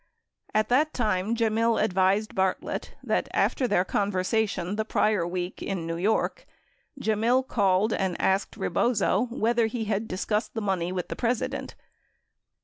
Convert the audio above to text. At that time, Gemmill advised Bartlett that after their conversation the prior week in New York, Gemmill called and asked Rebozo whether he had discussed the money with the President.